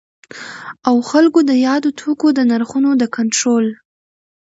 او خلګو د یادو توکو د نرخونو د کنټرول